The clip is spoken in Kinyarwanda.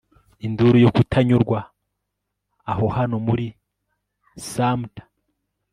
induru yo kutanyurwa - aho, hano muri sumter